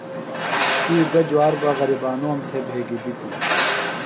تی گہ جُوار بہ غریبانوم تھےۡ بھگیۡ دِتیۡ؟